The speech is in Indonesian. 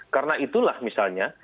karena itulah misalnya